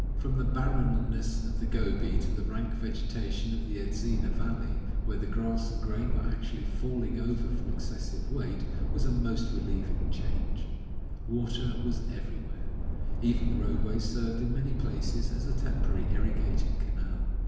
From the barrenness of the Gobi to the rank vegetation of the Edzina valley, where the grass and grain were actually falling over from excessive weight, was a most relieving change. Water was everywhere. Even the roadway served in many places as a temporary irrigating canal.